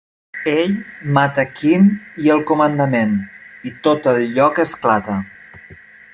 Ell mata Quin i el comandament, i tot el lloc esclata.